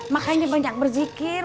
makanya banyak berzikir